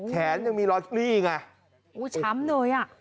แขนยังมีรอยขึ้นนี่ไงโอ้ช้ำด้วยอ่ะ